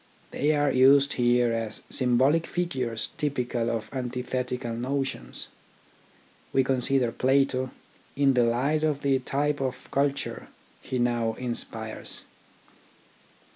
They are used here as symbolic figures typical of antithetical notions. We consider Plato in the light of the type of culture he now inspires.